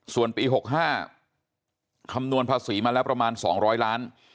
ส่วนปี๖๕คำนวณภาษีมาแล้วประมาณ๒๐๐ล้าน